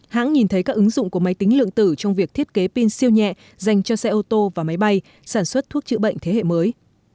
hãng nhìn thấy các ứng dụng của máy tính lượng tử trong việc thiết kế pin siêu nhẹ dành cho xe ô tô và máy bay sản xuất thuốc chữa bệnh thế hệ mới